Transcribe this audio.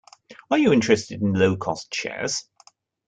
Are you interested in low-cost shares?